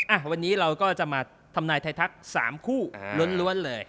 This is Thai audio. อ่ะวันนี้เราก็จะมาทำนายไทยทัก๓คู่ล้วนเลย